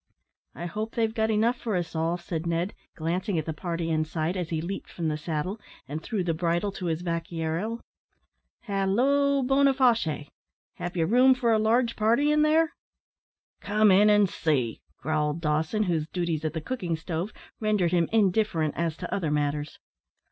"I hope they've got enough for us all," said Ned, glancing at the party inside, as he leaped from the saddle, and threw the bridle to his vaquero. "Halloo, Boniface! have ye room for a large party in there?" "Come in an' see," growled Dawson, whose duties at the cooking stove rendered him indifferent as to other matters.